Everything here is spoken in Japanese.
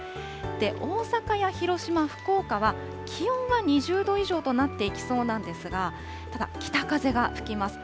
大阪や広島、福岡は気温は２０度以上となっていきそうなんですが、北風が吹きます。